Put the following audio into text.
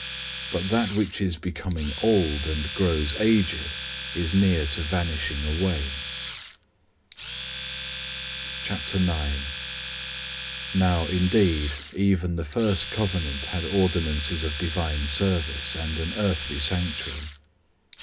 But that which is becoming old and grows aged is near to vanishing away. 009:001 Now indeed even the first{TR adds "tabernacle"} covenant had ordinances of divine service, and an earthly sanctuary.